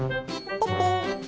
ポッポー。